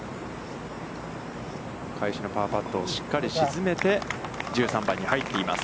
返しのパーパットをしっかり沈めて、１３番に入っています。